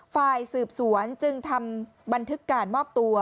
ฝ่ายสืบสวนจึงทำบันทึกการมอบตัว